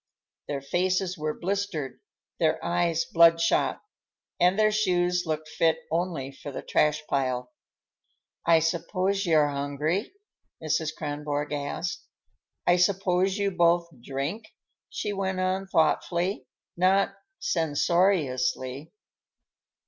Their faces were blistered, their eyes blood shot, and their shoes looked fit only for the trash pile. "I suppose you're hungry?" Mrs. Kronborg asked. "I suppose you both drink?" she went on thoughtfully, not censoriously.